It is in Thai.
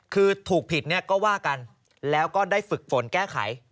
คือถูกผิดเนี่ยก็ว่ากันแล้วก็ได้ฝึกฝนแก้ไข